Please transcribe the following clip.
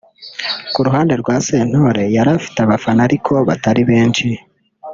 Ku ruhande rwa Sentore yari afite abafana ariko batari benshi